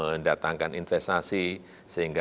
dan kemudian kita akan mencari investasi yang lebih besar